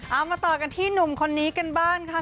เอามาต่อกันที่หนุ่มคนนี้กันบ้างค่ะ